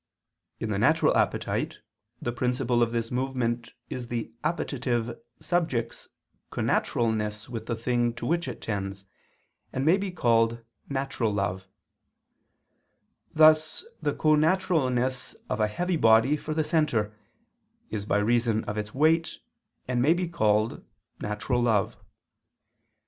In the natural appetite the principle of this movement is the appetitive subject's connaturalness with the thing to which it tends, and may be called "natural love": thus the connaturalness of a heavy body for the centre, is by reason of its weight and may be called "natural love."